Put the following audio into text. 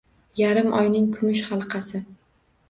Yarim oyning kumush halqasi.